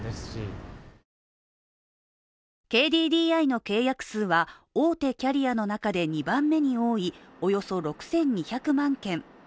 ＫＤＤＩの契約数は大手キャリアの中で２番目に多いおよそ６２００万件。